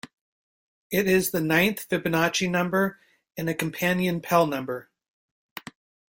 It is the ninth Fibonacci number and a companion Pell number.